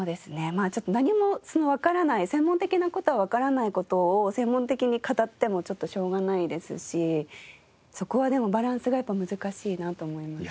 まあ何もわからない専門的な事はわからない事を専門的に語ってもしょうがないですしそこはでもバランスがやっぱり難しいなと思います。